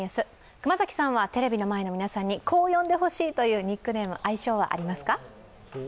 熊崎さんはテレビの前の皆さんにこう呼んでほしいというニックネーム、愛称はありますか？